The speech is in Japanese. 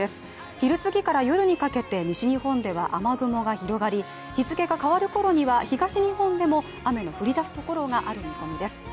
昼すぎから夜にかけて、西日本では雨雲が広がり日付が変わる頃には東日本でも雨が降り出す見込みです。